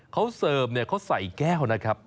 เขาเสิร์ฟเนี่ยเขาใส่แก้วนะครับ